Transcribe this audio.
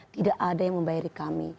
tidak ada yang membayari kami